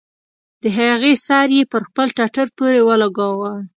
د هغې سر يې پر خپل ټټر پورې ولګاوه.